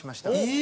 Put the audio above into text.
え！